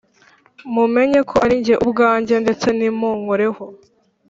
mumenye ko ari jye ubwanjye Ndetse nimunkoreho